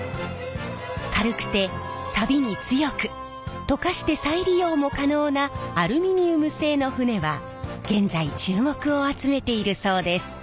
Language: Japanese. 軽くてさびに強く溶かして再利用も可能なアルミニウム製の船は現在注目を集めているそうです。